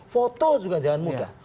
foto juga jangan mudah